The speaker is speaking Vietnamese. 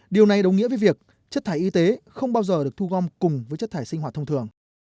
điều này đồng nghĩa với việc chất thải y tế không bao giờ được thu gom cùng với chất thải sinh hoạt thông thường